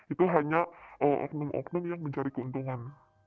itu hanya oknum oknum yang mencari keuntungan